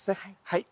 はい。